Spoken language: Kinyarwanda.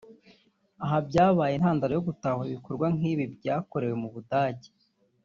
Aha byabaye intandaro yo gutahura ibikorwa nk’ibi byakorewe mu Budage